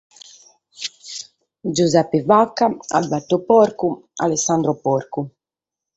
Giuseppe Vacca, Alberto Porcu, Alessandro Porcu.